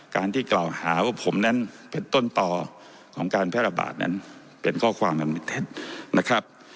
การที่กล่าวหาว่าผมนั้นเป็นต้นต่อของการแพร่ระบาดนั้นเป็นข้อความอันเป็นเท็จนะครับ